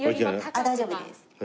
あっ大丈夫です。